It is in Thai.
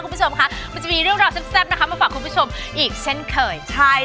คุณผู้ชมค่ะมันจะมีเรื่องราวแซ่บนะคะมาฝากคุณผู้ชมอีกเช่นเคยใช่